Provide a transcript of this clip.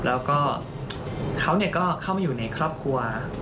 แล้วก็เขาก็เข้ามาอยู่ในครอบครัว